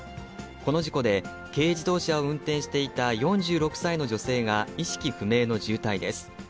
この事故で、軽自動車を運転していた４６歳の女性が意識不明の重体です。